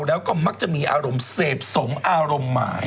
แล้วก็มักจะมีอารมณ์เสพสมอารมณ์หมาย